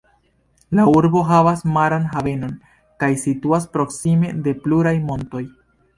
La urbo havas maran havenon kaj situas proksime de pluraj montoj.